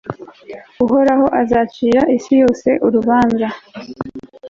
uhoraho azacira isi yose urubanza